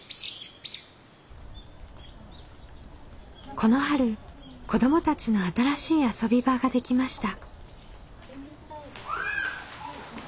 この春子どもたちの新しい遊び場ができました。